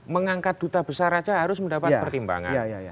mengangkat duta besar saja harus mendapat pertimbangan